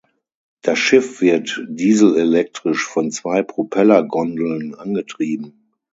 Das Schiff wird dieselelektrisch von zwei Propellergondeln angetrieben.